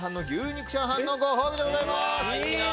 のご褒美でございます。